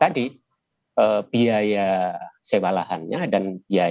jadi kalaupun di sana berhasil itu bisa jadi nanti menjadi benchmark gitu ya